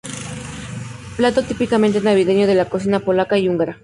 Plato típicamente navideño de la cocina polaca y húngara.